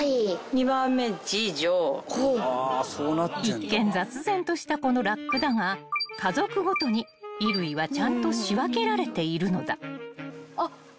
［一見雑然としたこのラックだが家族ごとに衣類はちゃんと仕分けられているのだ］